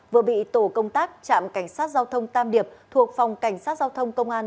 vừa bị tổ công tác trạm cảnh sát giao thông tam điệp thuộc phòng cảnh sát giao thông công an